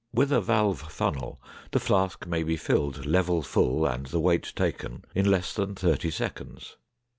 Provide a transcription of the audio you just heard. With a valve funnel the flask may be filled level full and the weight taken in less than thirty seconds.